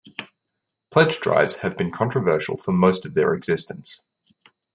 Pledge drives have been controversial for most of their existence.